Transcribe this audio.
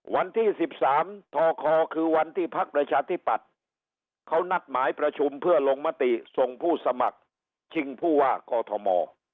วันที่๑๓ทคคือวันที่พักประชาธิปัตย์เขานัดหมายประชุมเพื่อลงมติส่งผู้สมัครชิงผู้ว่ากอทม